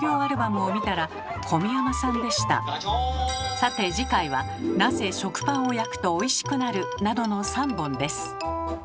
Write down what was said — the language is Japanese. さて次回は「なぜ食パンを焼くとおいしくなる」などの３本です。